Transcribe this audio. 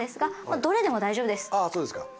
あそうですか。